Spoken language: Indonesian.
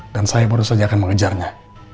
dan saya baru saja akan mengejarnya